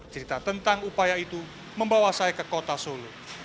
cerita tentang upaya itu membawa saya ke kota solo